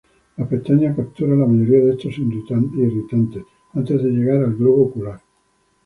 Las pestañas capturan la mayoría de estos irritantes antes de llegar al globo ocular.